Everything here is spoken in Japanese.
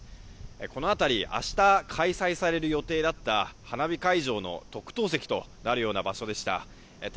この辺り明日、開催される予定だった花火会場の特等席となるような場所でした。